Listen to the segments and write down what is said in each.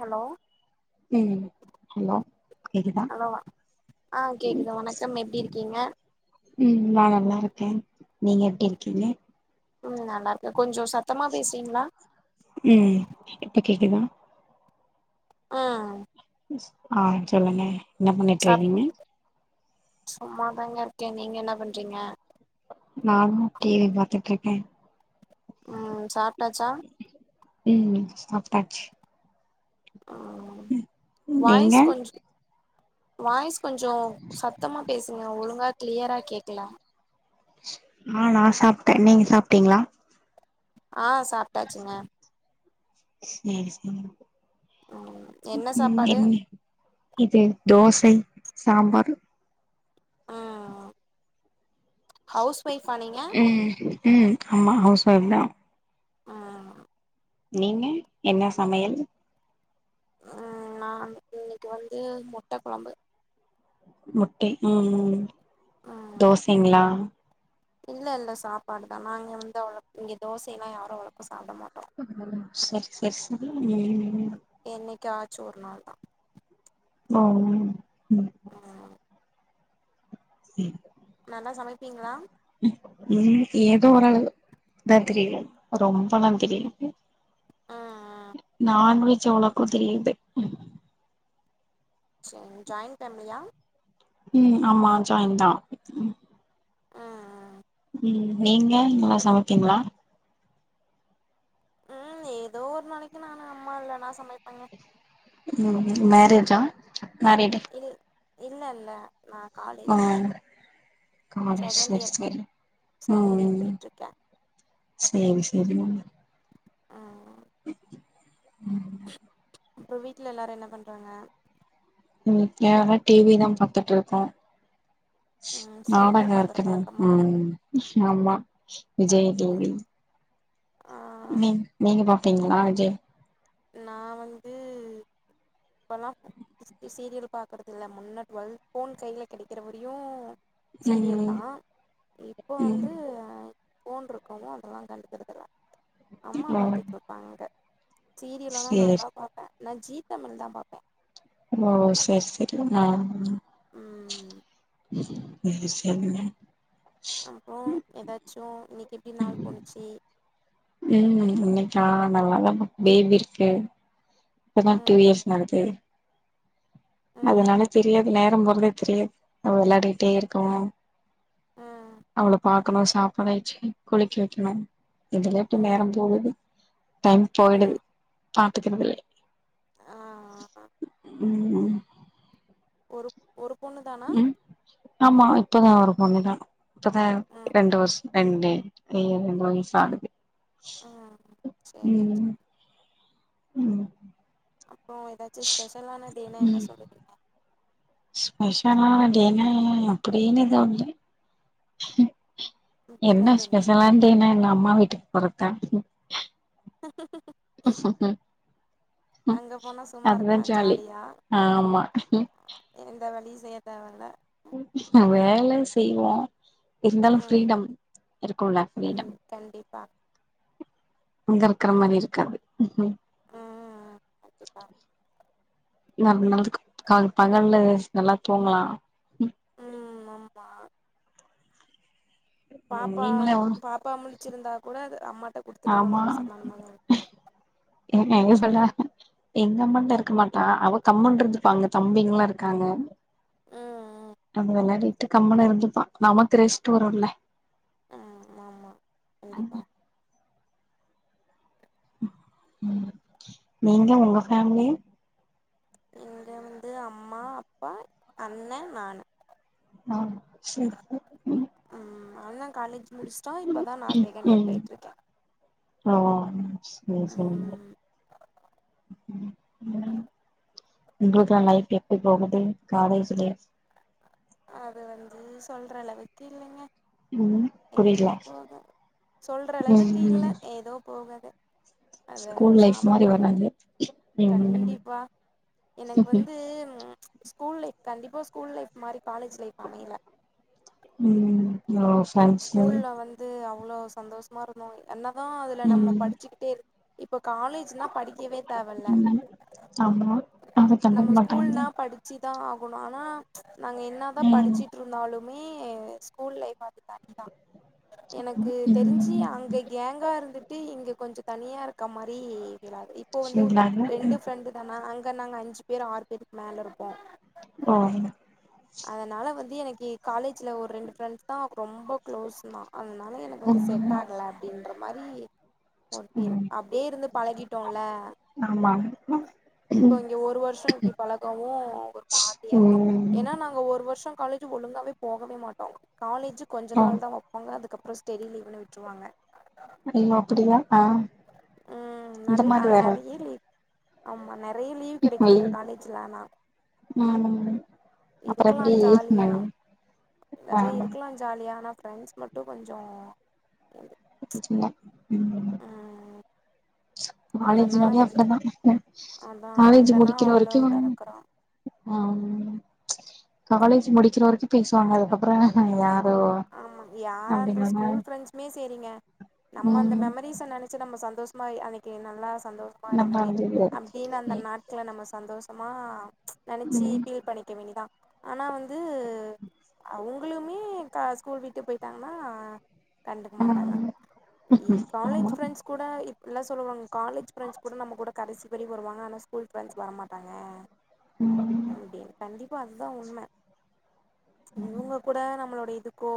Hello ம் hello கேக்குதா ஹலோவா ஆ கேக்குது வணக்கம் எப்டி இருக்கீங்க ம் நா நல்லாருக்கே நீங்க எப்டி இருக்கீங்க ம் நல்லாருக்கே கொஞ்சோ சத்தமா பேசுறிங்களா ம் இப்ப கேக்குதா ஆ ஆ சொல்லுங்க என்ன சாப் பண்ணிட்ருக்கிங்க சும்மாதாங்க இருக்கே நீங்க என்ன பண்றீங்க நானு டி வி பாத்துட்ருக்கே ம் சாப்ட்டாச்சா ம் சாப்ட்டாச்சு ஆ நீங்க வாய்ஸ் கொஞ்சோ வாய்ஸ் கொஞ்சோ சத்தமா பேசுங்க ஒழுங்கா கிளியரா கேக்கல ஆ நா சாப்ட்டே நீங்க சாப்ட்டீங்களா ஆ சாப்ட்டாச்சுங்க சேரி சேரி ம் என்ன ம் சாப்பாடு என்ன இது தோசை சாம்பார் ஆ ஆ ஆ ஹவுஸ் ஒய்ஃபா நீங்க ம் ம் ஆமா ஹவுஸ் ஒய்ஃப் தா ஆ நீங்க என்ன சமையல் ம் நா இன்னக்கு வந்து முட்ட கொழம்பு முட்டை ம் ம் ம் தோசைங்களா இல்ல இல்ல சாப்பாடு தா நாங்க வந்து அவ்ளோ இங்க தோசைல்ல யாரு அவ்ளோக்கா சாப்ட மாட்டோ ஆ சர் சர் சரி ம் ம் என்னைக்காச்சு ஒரு நாள்தா ஓ ஓ ம் ம் ம் நல்லா சமைப்பீங்களா ம் ஏதோ ஒருளவு தா தெரியு ரொம்பல்லா தெரியாது ம் ம் நான்வெஜ் அவ்ளோக்கா தெரியலம்பே சேர் ஜாய்ன் ஃபேம்லியா ம் ஆமா ஜாய்ன் தா ம் ம் ம் நீங்க நல்லா சமைப்பீங்களா ம் ஏதோ ஒரு நாளைக்கு நானு அம்மா இல்லன்னா சமைப்பங்க ம் மேரேஜா மேரீடு இல் இல்லல்ல நா ஆ காலேஜு காலேஜ் சர் சரி ம் செகண்ட் இயர் ம் போயிட்ருக்கே சேரி சேரிங்க ஆ ம் இப்ப வீட்ல எல்லாரு என்ன பண்றாங்க ம் எல்லாமே டி வி தா பாத்துட்ருக்கோ ம் சீரியல் நாடக பாக்குற இருக்குது பழக்கமா ம் ஆமா விஜய் டி வி ஆ நீங் நீங்க பாப்பீங்ளா விஜய் நா வந்து இப்பலா ப சீரியல் பாக்கறதில்ல முன்ன டுவெல்த் போன் கைல கெடைக்கிறவரியு சீரியல் ம் தா இப்போ வந்து ஃபோன் ருக்கவு அதலா கண்டுக்கர்துல அம்மா ம் பாத்துட்ருப்பாங்க சீரியல்லலா சேரி நல்லா பாப்ப நா ஜி தமிழ் தா பாப்ப ஓ செர் சரி நா ம் என்ன செய்முற அப்றோ ஏதாச்சு இன்னிக் எப்டி நாள் போணுச்சி ம் இன்னைக்கா நல்லாதா பேபி இருக்கு இப்பதா டூ ம் இயர்ஸ் நாளகே ம் அதனால தெரியாது நேரம் போறதே தெரியாது அவ வெளாடிட்டே இருக்கு ம் அவள பாக்கணு சாப்பாடு ஆய்ச்சி குளிக்க வெக்கிணு இதுலே இப்டி ம் நேரம் போகுது டைம் போயிடுது ம் பாத்துக்கிறதுலே ஆ ம் ஒரு ஒரு பொண்ணு தானா ம் ஆமா இப்பதா ஒரு பொண்ணுதா இப்பதா ம் ரெண்டு வர்ஷ் ரெண்டு [unintelligible] ஆகுது ம் சரிங்க ம் சரி ம் அப்போ ஏதாச்சு ஸ்பெஷலானடேனா ம் என்ன சொல்லுவீங்க ஸ்பெஷலான டேனா அப்டினு எதுவு இல்ல என்ன அப்படிலாம் எதுவும் இல்லைங்க ஸ்பெஷலான் டேனா என்ன அம்மா வீட்டுக் போறதா அங்க போனா சும்மா அதுதா இருக்கலா ஜாலி ஜாலியா ஆ ஆமா எந்த வேலயு செய்ய தேவல்ல வேல செய்வோ இர்ந்தாலு ம் ஃப்ரீடம் இருக்குல கண் ஃப்ரீடம் கண்டிப்பா உங்கருக்கிற மாரி இருக்காது ஆ ஆ அப்டிதா நம்ம நல்லதுக் கால் பகல்ல நல்லா தூங்லா ம் மம்மா பாப்பா நீங்களே எவ்ளோ பாப்பா முழ்ச்சிருந்தா கூட அது அம்மாட்ட குடுத்துட்டு நம்ம ஆமா பேசாம அம்மாங்க இருக்கலா என்ன எங்க சொல்ற ம் எங்க அம்மாட்ட இருக்க மாட்டா அவ கம்முன்ருந்துப்பா அங்க தம்பிங்லா இருக்காங்க ம் நம்ம வெளாடிட்டு கம்முனு இருந்துப்பா நமக்கு ரெஸ்ட்டு வருல்ல ஆ ஆமா கண்டிப்பா நீங்க உங்க ஃபேம்லி இங்க வந்து அம்மா அப்பா அண்ண நானு ஆ செரி ம் அண்ண காலேஜ் முடிச்டா இப்பதா நா செகெண்ட் இயர் ம் பேயிட்ருக்கே ஓ சேர் செரிங்க ம் உங்ளுக்லா லைஃப் எப்டி போகுது காலேஜுலேஃப் அது வந்து சொல்ற அளவுக்கு இல்லைங்க ம் ஏதோ புரியல போது சொல்ற ம் அளவுக்கு இல்ல ம் ஏதோ போகது ஸ்கூல் லைஃப் மாறி வராது ம் கண்டிப்பா எனக்கு வந்தூ ஸ்கூல் லைப் கண்டிப்பா ஸ்கூல் லைஃப் மாறி காலேஜ் லை அமையல ம் ஓ ஃப்ரெண்ட்ஸு ஸ்கூல்ல வந் வந்து அவ்ளோ சந்தோஷமா இருந்தோ என்னதா அதுல நம்ம ம் படிச்சுக்கிட்டே இரு இப்போ காலேஜின்னா படிக்கவே தேவல்ல ம் ஆமா அத கண்டுக் மாட்டாங்க சிதா ஆகணு ஆனா நாங்க என்னாதா ம் படிச்சிட்ருந்தாலு மே ஸ்கூல் லைப் அது தனிதா எனக்கு தெரிஞ்சி ம் அங்க கேங்கா இருந்துட்டு இங்க கொஞ்சோ தனியா இருக்க மாறி ஃபீழாது இ [unintelligible] இதுதானா அங்க நாங்க அஞ்சு பேரு ஆறு பேருக் மேலருப்போ ஓ அதனால வந்து எனக்கி காலேஜ்ல ஒரு ரெண்டு ஃப்ரெண்ட்ஸ் தா ரொம்ப க்ளோஸுனா அதுனால எனக்கு வந்து செட் ம் ஆகல அப்டின்ற மாரி ஓகே ம் அப்டியே இருந்து பழகிட்டோல ஆமா இப்போ இங்க ஒரு வருஷோ இப்டி பழகவு ஒரு மாதிரியா இருக்கு ம் ஏனா நாங்க ஒரு வருஷோ காலேஜு ஒழுங்காவே போகவே மாட்டோ காலேஜு கொஞ்ச ஓ நாள் தா வப் பாங்க அதுக்கப்றொ ஸ்டெடி லீவுனு விட்ருவாங்க ஐயோ அப்பிடியா ஆஹ் ம் இந்த நல் மாகு வேற நெறைய லீவ் ஆமா நெறைய லீவ் கெடைக்கு எங்க காலேஜிலலா மாம் அப்றொ எப்டி [unintelligible] ஆ லதா இருக்கலா ஜாலியா ஆனா ஃப்ரெண்ட்ஸ் மட்டு கொஞ்சோ நெஜந்தா உம் ம் அங்கன்னா காலேஜினாலே எந்த அப்டிதா அதா காலேஜி அங்கன்னா முடிக்கிற அவ்ளோ வரைக்கூ இதா இருக்குறோ ஆஹ் காலேஜி முடிக்கிற வரைக்கு பேசுவாங்க அதுக்கப்பறோ நா யாரோ அப்டி நம்ம மே சேரிங்க நம்ம அந்த மெமரீஸ நெனைச்சி நம்ம சந்தோஷ்மாய் அன்னைக்கி நல்லா சந்தோஷ நல்லா காரணமே இருந்தது அப்டின் அந்த நாட்கள நம்ம சந்தோஷமா நெனைச்சீ ம் ஃபீல் பண்ணிக்க வேண்டிதா ஆனா வந்து அவங்களுமே க ஸ்கூல் விட்டு பொயிட்டாங்கனா கண்டுக்க ஆமா மாட்டாங்க இ காலேஜ் ஃப்ரெண்ட்ஸ் கூட இப்பிட்லா சொல்லுவாங்க காலேஜ் ஃபிரண்ட்ஸ் கூட நம்ம கூட கடைசி வரைக் வருவாங்க ஆனா ஸ்கூல் ஃபிரண்ட்ஸ் வர மாட்டாங்க ம் அப்டீன் கண்டிப் பா அதுதா உண்ம இவங்க கூட நம்ளோட இதுக்கோ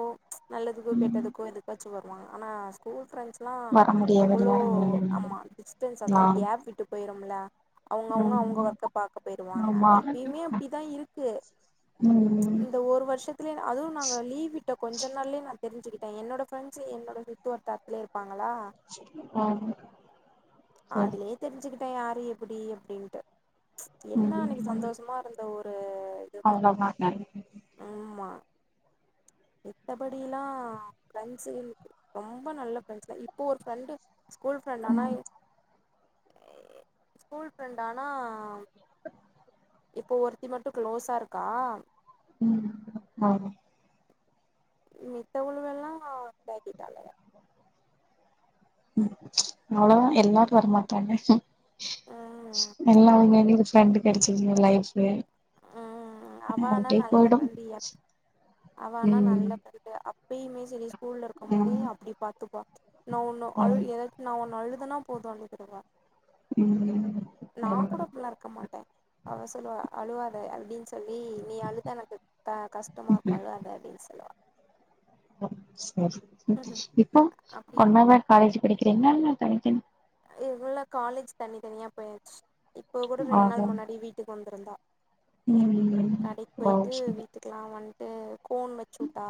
நல்லதுக்கோ ம் கெட்டதுக்கோ எதுக்காச்சு வருவாங்க ஆனா ஸ்கூல் ஃப்ரெண்ட்ஸ்லா வர எவ்வளோ முடியாதுல்ல ஆமா டிஸ்டன்ஸ் அதெல்லா ம் கேப் விட்டு பொயிருமுல அவுங்கவுங்க அவங்க ஒர்க்க பாக்க பொயிருவாங்க ஆமா இப்பயுமே அப்டிதா இருக்கு ம் இந்த ஒரு வருஷத்துலயே அதுவு நாங்க லீவி ட்ட கொஞ்ச நாள்லயே நா தெரிஞ்சுகிட்டே என்னோட ஃப்ரெண்ட்ஸி என்னோட சுட்டு வட்டார்த்லயே இருப்பாங்களா ஆமா சரி அதுலயே தெரிஞ்சுக்கிட்டே யாரு எப்பிடி அப்டின்ட்டு என்னா அன்னைக்கு ம் சந்தோஷம்மா இருந்த ஒரு இதுதா அவ்ளோதா உம்மா மித்தபடில்லா பிரண்ட்ஸுகள் ரொம்ப நல்ல பிரரெண்ட்ஸ் தா இப்போ ஒரு ஃப்ரெண்டு ஸ்கூல் ஃப்ரெண்ட் ஆனா ஸ்கூல் ஃப்ரெண்டானா இப்போ ஒருத்தி மட்டு க்ளோஸாருக்கா ம் மாரு மித்தவுலகஎல்லா தாக்கிட்டாங்க ம் அவ்ளவா எல்லார்க்க வரமாட்டாய்ங்க ம் நல்லா ஆமா இங்க எங்களுக்கு ப்ரெண்டு் கிடைச்சதுங்க லைஃப்லே ம் அ அவ ஆனா அப்டே நல்ல பொய்டு ஃப்ரெண்டு எ அவ ஆனா நல்ல ஃப்ரென்டு அப்பயுமே செலி ஸ்கூலருக்கும்மோதே ஆமா அப்புடி பாத்துப்பா நா ஒன்னு அழ் ஆமா ஏக் நா ஒன்னு அழுதண்ணா போது அழுதுருவா ம் நா கூட அப்பில்லா இருக்க மாட்டே அவ சொல்லுவா அழுவாத அப்டின் சொல்லி நீ அழுதா எனக்கு க கஷ்டமாஇர்க் அழாத அப்டின் சொல்லுவா ஓ செரி இப் இப்போ அப்டி ஒண்ணாவே காலேஜு படிக்கிறீங்களா இல்ல தனித்தனி இல்ல காலேஜ் தனி தனியா போயாச் இப்போ கூட ரெண்டு நாள் ஆஹா முன்னாடி வீட் டுக் வந்திருந்தா ம் கடைக்ஒ ஓ பொயிட்டு சரி வீட் டுக்கலா வன்ட்டு கோன் வச்சுட்டா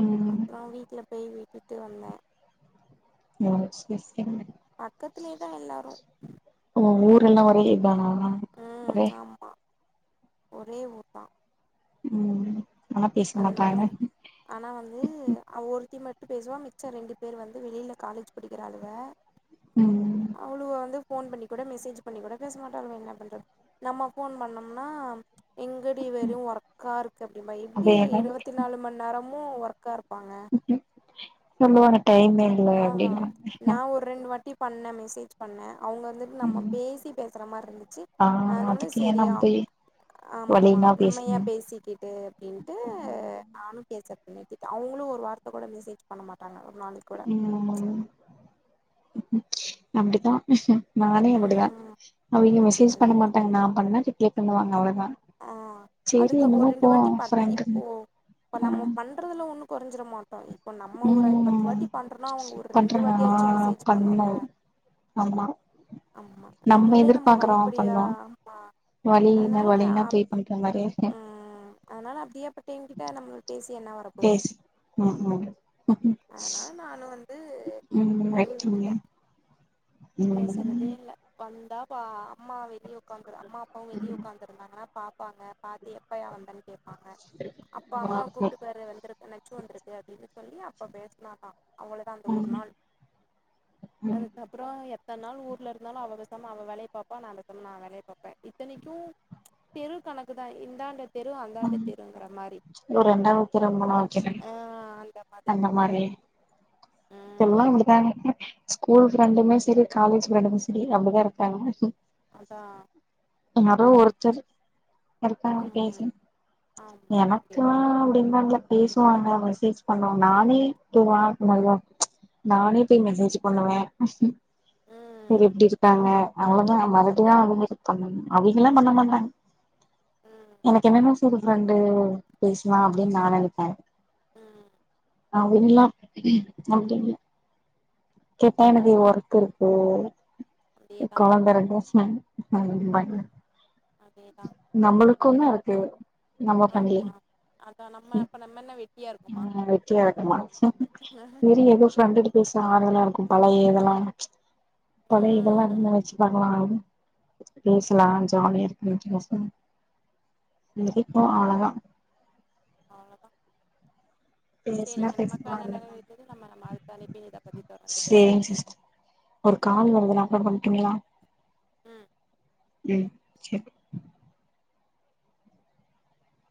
ம் அவ வீட்ல போய் விட்டுட்டு வந்தே. ஓ செர் செரிங்க பக்கத்துலே தா எல்லாரு ஓ ஊர்எல்லா ஒரேஇதான ம் ஆம்மா ஒரே ஊர் தா ம் ஆனா பேச அதனாலூ மாட்டாங்க ஆனா வந்து அவஒருத்தி மட்டு பேசுவா மிச்ச ரெண்டு பேரு வந்து வெளியில காலேஜ் படிக்கிறலுங்க ம் அவுளுவ வந்து ஃபோன் பண்ணி கூட மெசேஜ் பண்ணி கூட பேச மாட்டாள்ளுவ என்ன பண்ற நம்ம ஃபோன் பண்ணம்னா எங்கடி வெறும் ஒர்க்காருக்கு அப்படிம்பா எப்டி அதேதா இருவத்தி நாலு மணி நேரமு ஒர்க்கா இருப்பாங்க. ம் சொல்லுவாங்க டைமே இல்ல ஆவா அப்டின்னாங்க நா ஒரு ரெண்டு வாட்டி பண்ணே, மெசேஜ் பண்ணே அவுங்க அந்து நம்ம ம் பேசி பேசுற மார்ருந்துச்சு ஆ அதனால அதுக்கு ஏ செரியா நம்ம போய் ஆம்மா வழினா நம்ம ஏ பேசுனே பேசிக்கிட்டு அப்டின்ட்டு நானு பேசற்து நிர்திட்ட அவுங்களும் ஒரு வார்த்த கூட மெசேஜ் பண்ண மாட்டாங்க ஒரு நாளு ம் அப்டிதா நானே அப்டிதா ம் அவ இங்கமெசேஜ் அதா பண்ண மாட். நா பண்ணா ரிப்ளே பண்ணுவா அவ்ளதா அ அதுக்கு ஒரு ரெண்டு வாட்டி பாட் ஃப்ரெண்டுன்னு இப்போ ஆ பன்நம்ம பண் பண்ணுறதுல ஒன்னு கொறஞ்சிற மாட்டோ இப்போ நம்ம ஒரு பத்து ம் வாட்டி பண்றோன்னா அவுங்க ஒரு ரெண்டு பண்றனா வாட்டியாச்சு மெசேஜ் பண்ணுல்ல. ஆம்மா ஆமா நம்ம நம்மளே எதிர்பாக்குறோ வழிப்படியா பண்றோ. ஆமா வலி என்ன அதனால வலி நா அப் பே பண்ற மாரி [unintelligible] ம் அதனால அப்டியே பட்டெங்கிட்ட நம்ம பேசி என்னா வரப்போது பேசு ம் ம் அதனால நானு வந்து [unintelligible] பேசுறதே ஒரு இல்ல வந்தா அம்மா வெளியே உட்காந்து அம்மா அப்பாவு வெளிய உட்காந்து வந்து இருந்தாங்கான்னா பாப்பாங்க பாத்து எப்பயா வந்த கேட்ப அப்ப அம்மா கூப்ட்டு பேரு வந்திருக்கு நச்சு வந்திருக்கு அப்டின்னு சொல்லி அப்ப பேசுனாதா அவ்ளதா அந்த ஒரு நாள் அதுக்கப்பற எத்தன நாள் ஊர்ல இருந்தாலு அவ பேசாம அவ வேலய பாப்ப நா வேலய பார்ப்ப இத்தனைக்கும் தெரு கணக்குதா இந்தாண்ட தெரு அந்தாண்ட தெருங்கிற மாதிரி ரெண்டாவது ஆ அந்த மாதிரி இந்த மாதிரி இப்ப எல்லா உம் இப்டிதாங்க ஸ்கூல் ஃப்ரெண்டுமே சரி காலேஜ் ஃப்ரண்டுமே சரி அப்டிதா இருக்காங்க. அதா யாரோ ஒருத்தர் இருக்க பேஜ உம் ஆமா கண்டிப்பா எனக்குலா அப்டிலா இல்ல பேசுவாங்க மசேஜ் பண்ணோ நானே [unintelligible] நானே போய் மெசேஜ் பண்ணுவ சேரி உம் எப்டி இருக்காங்க. அவ்ளவுதா மறுபடில்லா அவளுங்கள்ளா பண்ணு அவங்கல்லா பண்ண மாட்டாங்க உம் எனக்கு என்னன்னு புது ஃப்ரெண்டு பேசுன்னு அப்டின்னு நா நினைப்ப ம் அவளுகள்ளா அப்டி இல்ல கேட்ட எனக்கு ஒர்க் இருக்கு அதேதான் கொழந்த இருக்கு சொல்லி [unintelligible] அதேதா நம்மளுக்கும் தா இருக்கு நம்ம பண்ணுலயா அதா நம்ம நம்ம என்ன வெட்டியா இருக் நம்ம என்ன வெட்டியா இருக்கோமா சரி ஏதோ ஃப்ரெண்டுட்டு பேச ஆறுதல்லா இருக்கும் பழய இதெல்லா ச்சு பழய இதெல்லா உம் ஞாபக வச்சு பண்லா பேசலா அதான் ஜாலிய இரு [unintelligible] சிரிப்போ அவுலதா அவ்வளதா பேசுனா சரிங்க பேசலா நமக்கன்னா நேர இல்லனா இருக்குது நம்ம நம்ம அடுத்த அழைப்பின் இத பத்தி தொடர்ந்து பேசலா சேரிங்க சிஸ்டர் ஒரு கால் வருது நா அப்பர பண்ணுட்டுங்களா ம் ம் சரி